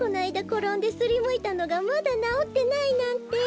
ころんですりむいたのがまだなおってないなんて。